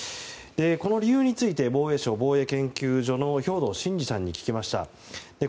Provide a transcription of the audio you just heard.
この理由について防衛省防衛研究所の兵頭慎治さんに聞きました。